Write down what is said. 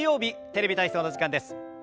「テレビ体操」の時間です。